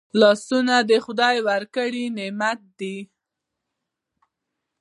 لاسونه خدای ورکړي نعمت دی